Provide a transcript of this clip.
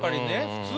普通。